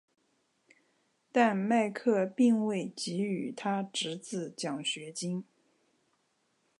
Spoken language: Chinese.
但麦克并未给予他侄子奖学金。